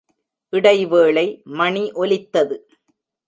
இடைவேளை மணி ஒலித்தது.